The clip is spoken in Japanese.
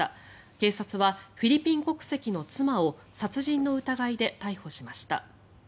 警察はフィリピン国籍の妻を殺人の疑いで逮捕しました。